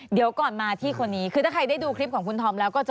เดี๋ยวก่อนมาที่คนนี้คือถ้าใครได้ดูคลิปของคุณธอมแล้วก็เจอ